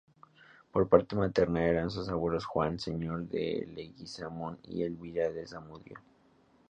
Por parte materna eran sus abuelos Juan, señor de Leguizamón y Elvira de Zamudio.